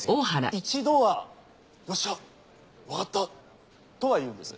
一度は「よっしゃわかった」とは言うんです。